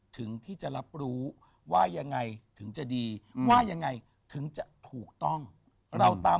ถึงที่จะรับรู้ว่ายังไงถึงจะดีว่ายังไงถึงจะถูกต้องเราตาม